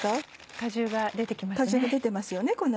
果汁が出てますよね。